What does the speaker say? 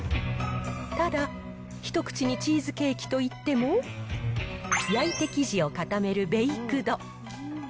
ただ、一口にチーズケーキといっても、焼いて生地を固めるベイクド。